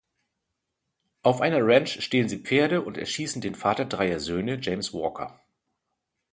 Auf einer Ranch stehlen sie Pferde und erschießen den Vater dreier Söhne James Walker.